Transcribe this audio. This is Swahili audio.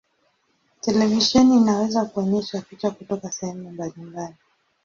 Televisheni inaweza kuonyesha picha kutoka sehemu mbalimbali.